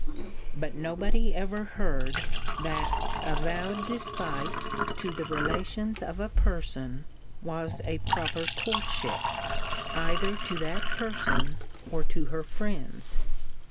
But nobody ever heard, that avowed despite to the relations of a person was a proper courtship, either to that person, or to her friends.